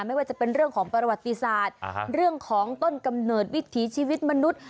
ไม่ว่าจะเป็นเรื่องของประวัติศาสตร์เรื่องของต้นกำเนิดวิถีชีวิตมนุษย์